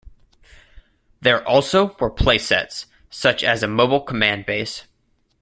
There also were play sets such as a mobile command base.